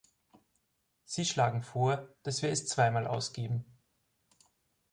Sie schlagen vor, dass wir es zweimal ausgeben.